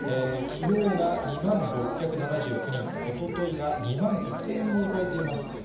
きのうが２万６７９人、おとといが２万１０００人を超えています。